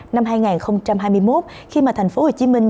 năm hai nghìn hai mươi một khi mà thành phố hồ chí minh